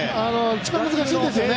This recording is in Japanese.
一番難しいんですよね